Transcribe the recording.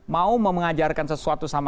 mau mengajarkan sesuatu sama